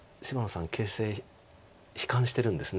形勢悲観してるんです。